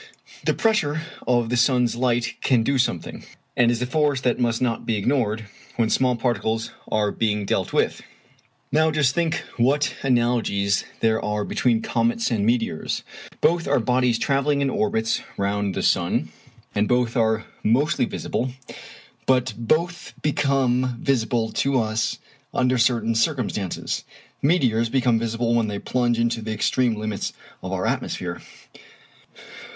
The pressure of the sun's light can do something, and is a force that must not be ignored when small particles are being dealt with. (Cf. Modern Views of Electricity, 2nd edition, p. 363.) Now just think what analogies there are between comets and meteors. Both are bodies travelling in orbits round the sun, and both are mostly invisible, but both become visible to us under certain circumstances. Meteors become visible when they plunge into the extreme limits of our atmosphere.